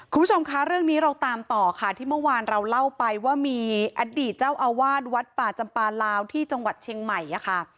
คุณผู้ชมคะเรื่องนี้เราตามต่อค่ะที่เมื่อวานเราเล่าไปว่ามีอดีตเจ้าอาวาสวัดป่าจำปลาลาวที่จังหวัดเชียงใหม่ค่ะ